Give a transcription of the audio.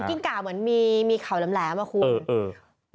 กินก่าเหมือนมีเข่าแหลมอ่ะคุณ